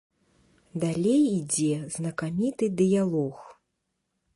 Далей ідзе знакаміты дыялог.